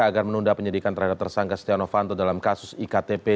agar menunda penyidikan terhadap tersangka setia novanto dalam kasus iktp